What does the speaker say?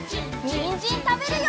にんじんたべるよ！